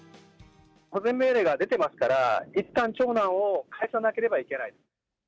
保全命令が出てますから、いったん、長男を返さなければいけない。